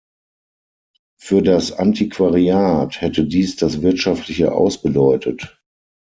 Für das Antiquariat hätte dies das wirtschaftliche Aus bedeutet.